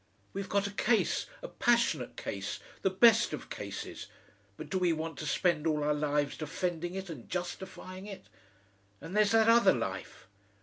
We've got a case, a passionate case, the best of cases, but do we want to spend all our lives defending it and justifying it? And there's that other life.